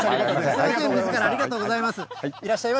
ご主人みずからありがとうございます。